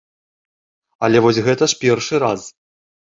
Але вось гэта ж першы раз.